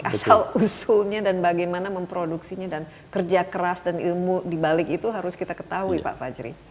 asal usulnya dan bagaimana memproduksinya dan kerja keras dan ilmu dibalik itu harus kita ketahui pak fajri